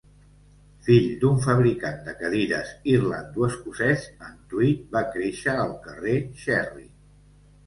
Fill d'un fabricant de cadires irlando-escocès, en Tweed va créixer al carrer Cherry.